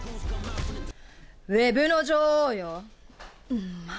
ウェブの女王よ。